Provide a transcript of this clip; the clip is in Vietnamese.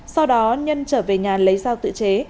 sau đó nhân trở về nhà lấy dao tự chế